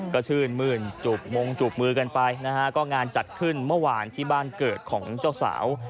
ก็ชื่นมื้นจูบมงจูบมือกันไปนะฮะก็งานจัดขึ้นเมื่อวานที่บ้านเกิดของเจ้าสาว